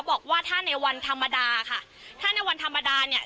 บอกว่าถ้าในวันธรรมดาค่ะถ้าในวันธรรมดาเนี่ย